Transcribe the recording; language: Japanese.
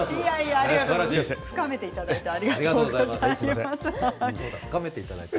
深めていただいてありがとうございます。